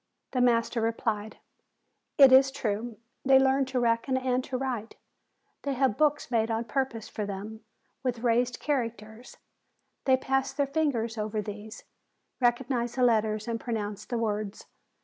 The master replied : "It is true. They learn to reckon and to write. They have books made on pur pose for them, with raised characters; they pass their fingers over these, recognize the letters and pronounce the words.